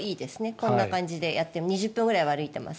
こんな感じで２０分ぐらいは歩いています。